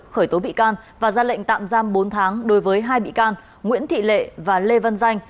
khởi tố bị can và ra lệnh tạm giam bốn tháng đối với hai bị can nguyễn thị lệ và lê văn danh